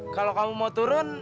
kalau kamu mau turun